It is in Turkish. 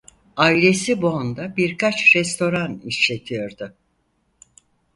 Ailesi Bonn'da birkaç restoran işletiyordu.